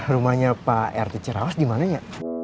rumahnya pak rt cerawas dimananya